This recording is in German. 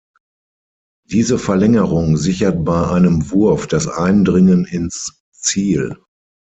Diese Verlängerung sichert bei einem Wurf das Eindringen ins Ziel.